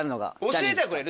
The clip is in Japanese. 教えてはくれる？